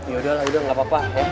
yaudah lah udah gak apa apa